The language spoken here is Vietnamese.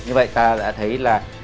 như vậy ta đã thấy là